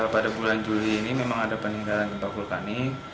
pada bulan juli ini memang ada peninggalan gempa vulkanik